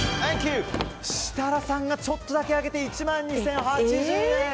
設楽さんがちょっとだけ上げて１万２０８０円。